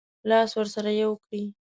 لاس ورسره یو کړي.